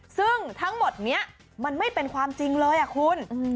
ซึ่งทั้งหมดนี้มันไม่เป็นความจริงเลยคุณ